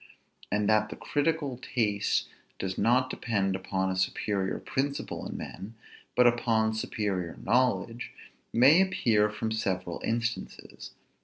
And that the critical taste does not depend upon a superior principle in men, but upon superior knowledge, may appear from several instances.